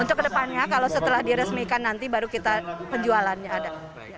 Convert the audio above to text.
untuk kedepannya kalau setelah diresmikan nanti baru kita penjualannya ada